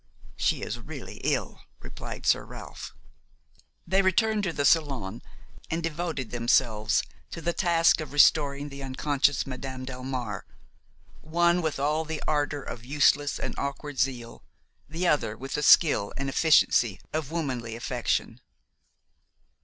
"She is really ill," replied Sir Ralph. They returned to the salon and devoted themselves to the task of restoring the unconscious Madame Delmare, one with all the ardor of useless and awkward zeal, the other with the skill and efficacy of womanly affection.